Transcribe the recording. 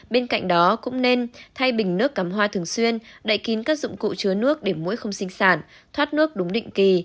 bên cạnh đó cũng nên thay bình nước cắm hoa thường xuyên đậy kín các dụng cụ chứa nước để mũi không sinh sản thoát nước đúng định kỳ